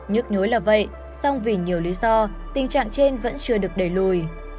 nhức nhối là vậy song vì nhiều lý do tình trạng trên vẫn chưa được đẩy lùi